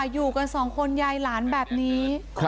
อยู่กันสองคนยายหลานแบบนี้